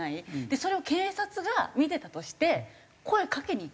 それを警察が見てたとして声かけに行くんですか？